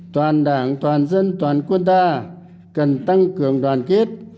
toàn đảng toàn dân toàn quân ta cần tăng cường đoàn kết